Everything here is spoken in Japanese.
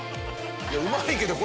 うまいけど